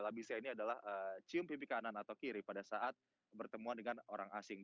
labisia ini adalah cium pipi kanan atau kiri pada saat bertemuan dengan orang asing